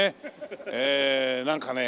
えなんかね